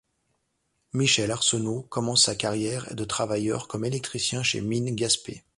Michel Arsenault commence sa carrière de travailleur comme électricien chez Mines Gaspé.